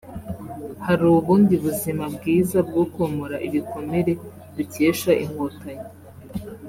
hari ubundi buzima bwiza bwo komora ibikomere dukesha Inkotanyi